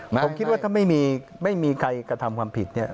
ผมคิดว่าถ้าไม่มีใครกระทำความผิดเนี่ย